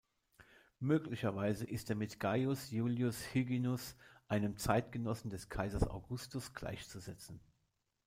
Möglicherweise ist er mit Gaius Iulius Hyginus, einem Zeitgenossen des Kaisers Augustus, gleichzusetzen.